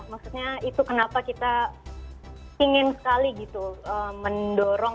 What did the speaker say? maksudnya itu kenapa kita ingin sekali gitu mendorong